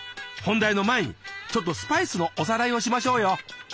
本題の前にちょっとスパイスのおさらいをしましょうよ。